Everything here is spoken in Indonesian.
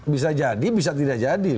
bisa jadi bisa tidak jadi